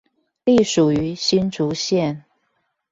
隸屬於新竹縣